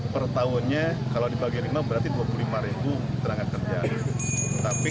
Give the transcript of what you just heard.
per tahunnya kalau dibagi lima berarti dua puluh lima ribu tenaga kerja